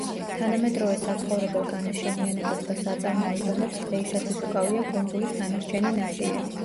თანამედროვე საცხოვრებელ განაშენიანებას და საწარმოო ზონებს დღეისათვის უკავია კუნძულის დანარჩენი ნაწილი.